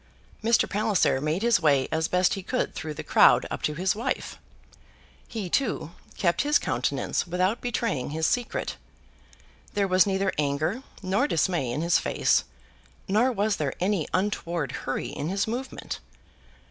Mr. Palliser made his way as best he could through the crowd up to his wife. He, too, kept his countenance without betraying his secret. There was neither anger nor dismay in his face, nor was there any untoward hurry in his movement.